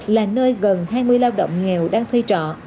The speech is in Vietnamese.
là nơi gần hai mươi lao động nghèo đang thuê trọ